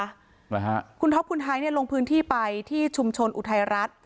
เหรอฮะคุณท็อปคุณไทยเนี่ยลงพื้นที่ไปที่ชุมชนอุทัยรัฐ